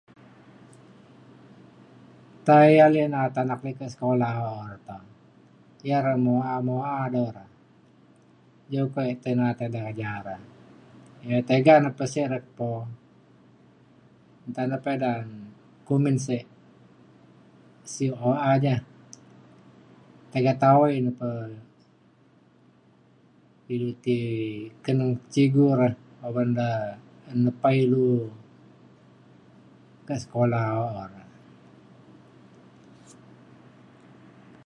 tai alik naat anak mik kat sekolah oo re to ya re moa moa do re juku ik tai naat eda jare tega re pesik re po nta le peda kumin sik siuk ooa ja tega tawai re pe ilu ti keneng cigu re oban re nepai ilu ke sekola oo re.